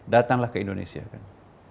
datanglah ke indonesia kan